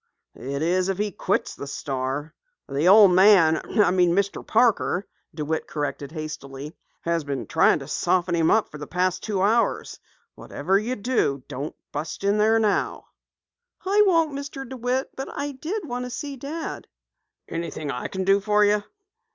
"It is if he quits the Star. The old man Mr. Parker " DeWitt corrected hastily, "has been trying to soften him up for the past two hours. Whatever you do, don't bust in there now." "I won't, Mr. DeWitt, but I did wish to see Dad." "Anything I can do for you?"